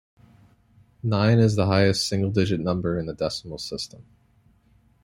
Nine is the highest single-digit number in the decimal system.